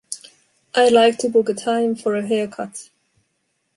I’d like to book a time for a haircut.